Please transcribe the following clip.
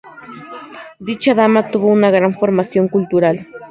Dicha dama tuvo una gran formación cultural.